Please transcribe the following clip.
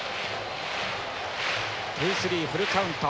ツースリーフルカウント。